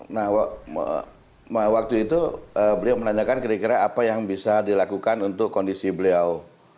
nah waktu itu beliau menanyakan kira kira apa yang bisa dilakukan untuk kondisi beliau